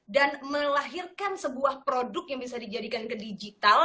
dan melahirkan sebuah produk yang bisa dijadikan ke digital